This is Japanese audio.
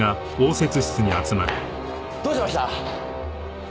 どうしました！？